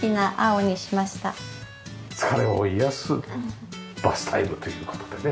疲れを癒やすバスタイムという事でね。